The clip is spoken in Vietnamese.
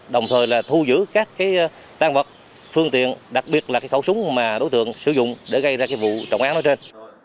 đồng thời là thu giữ các cái tăng vật phương tiện đặc biệt là cái khẩu súng mà đối tượng sử dụng để gây ra cái vụ trọng án ở trên